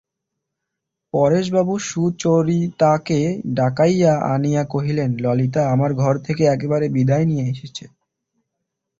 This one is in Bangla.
পরেশবাবু সুচরিতাকে ডাকাইয়া আনিয়া কহিলেন, ললিতা আমার ঘর থেকে একেবারে বিদায় নিয়ে এসেছে।